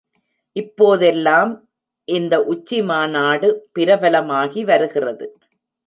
இப்போதெல்லாம், இந்த உச்சிமாநாடு பிரபலமாகி வருகிறது.